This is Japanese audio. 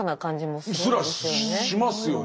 すらしますよね。